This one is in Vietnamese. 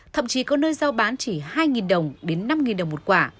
thậm chí có nơi giao bán chỉ hai đồng đến năm đồng một quả